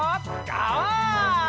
ガオー！